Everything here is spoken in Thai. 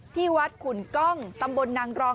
ที่วัดขุนกล้องตำบลนางรอง